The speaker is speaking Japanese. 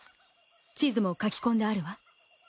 地図も書き込んであるわ。